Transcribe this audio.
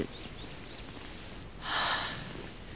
ああ。